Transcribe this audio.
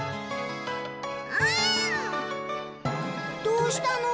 どうしたの？